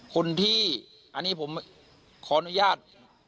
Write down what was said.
คนที่อันนี้ผมขออนุญาต